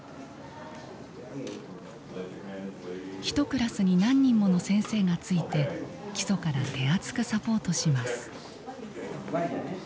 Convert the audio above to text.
ひとクラスに何人もの先生がついて基礎から手厚くサポートします。